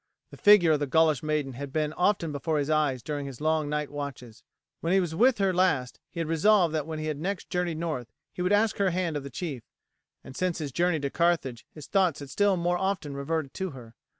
The figure of the Gaulish maiden had been often before his eyes during his long night watches. When he was with her last he had resolved that when he next journeyed north he would ask her hand of the chief, and since his journey to Carthage his thoughts had still more often reverted to her.